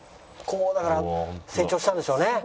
こうだから成長したんでしょうね。